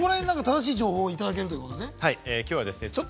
きょうは正しい情報をいただけるということで。